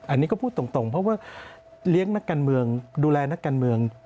อันนี้ก็พูดตรงเพราะว่าเลี้ยงนักการเมืองดูแลนักการเมือง